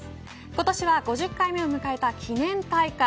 今年は５０回目を迎えた記念大会。